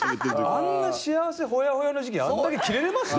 あんな幸せほやほやの時期にあんだけキレれます？